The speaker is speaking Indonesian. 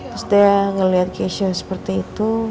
terus dia ngeliat kesha seperti itu